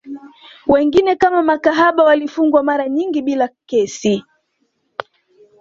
Wengine kama makahaba walifungwa mara nyingi bila kesi